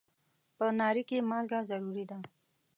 په ناري کې مالګه ضروري ده.